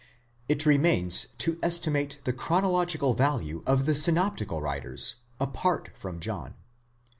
® It remains to estimate the chronological value of the synoptical writers, apart from John.